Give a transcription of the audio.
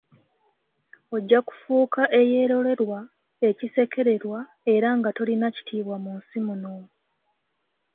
"Ojja kufuuka eyerolerwa, ekisekererwa, era nga tolina kitiibwa mu nsi muno."